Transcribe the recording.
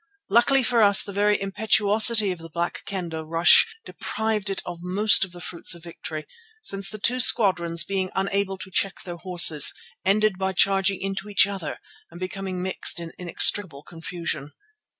Luckily for us the very impetuosity of the Black Kendah rush deprived it of most of the fruits of victory, since the two squadrons, being unable to check their horses, ended by charging into each other and becoming mixed in inextricable confusion.